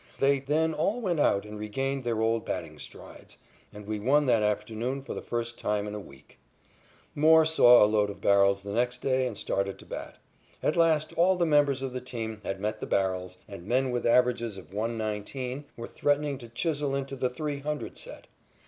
They, then, all went out and regained their old batting strides, and we won that afternoon for the first time in a week. More saw a load of barrels the next day and started to bat. At last all the members of the team had met the barrels, and men with averages of .119 were threatening to chisel into the three hundred set.